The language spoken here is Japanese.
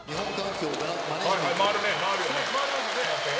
回りますよね。